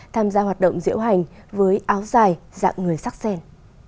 tham gia hoạt động diễu hành với áo dài dạng người sắc sen